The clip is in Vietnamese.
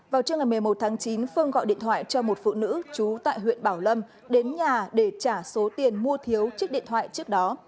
vào trưa ngày một mươi một tháng chín phương gọi điện thoại cho một phụ nữ trú tại huyện bảo lâm đến nhà để trả số tiền mua thiếu chiếc điện thoại trước đó